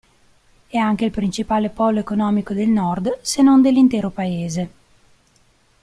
È anche il principale polo economico del nord, se non dell'intero Paese.